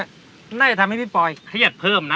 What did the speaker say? น่าจะทำให้พี่ปอยเครียดเพิ่มนะ